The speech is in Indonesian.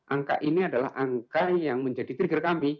angka ini adalah angka yang menjadi trigger kami